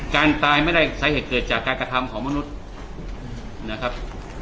การตายไม่ได้สาเหตุเกิดจากการกระทำของมนุษย์นะครับ